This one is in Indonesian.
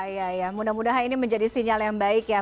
iya ya mudah mudahan ini menjadi sinyal yang baik ya